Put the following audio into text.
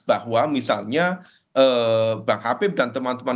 bahwa misalnya bang habib dan teman teman